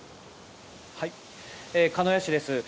鹿屋市です。